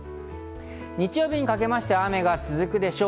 日曜日にかけまして雨が続くでしょう。